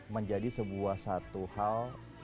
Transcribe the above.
menjadi sebuah satu hal